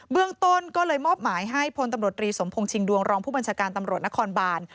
เรื่องต้นก็เลยมอบหมายให้พลตำรวจรีสมพงษิงดวงรองผู้บัญชาการตำรวจนครบาน